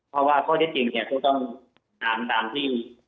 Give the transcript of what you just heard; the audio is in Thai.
เพราะว่าข้อที่จริงเนี่ยเขาต้องถามตามที่